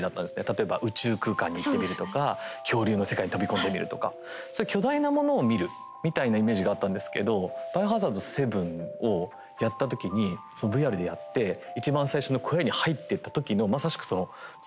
例えば宇宙空間に行ってみるとか恐竜の世界に飛び込んでみるとかそういう巨大なものを見るみたいなイメージがあったんですけど「バイオハザード７」をやった時にそのＶＲでやって一番最初の小屋に入ってった時のまさしくその通路の狭さ。